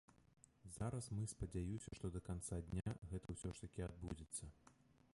Зараз мы спадзяюся, што да канца дня гэта ўсё ж такі адбудзецца.